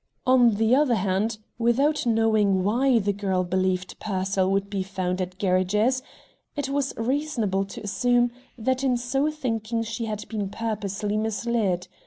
On the other hand, without knowing why the girl believed Pearsall would be found at Gerridge's, it was reasonable to assume that in so thinking she had been purposely misled.